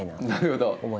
なるほど。